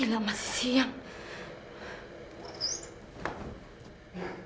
gila masih siang